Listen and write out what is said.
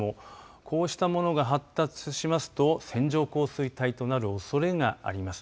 こうしたものが発達しますと線状降水帯となるおそれがあります。